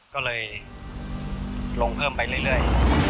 ก็เลยลงเพิ่มไปเรื่อย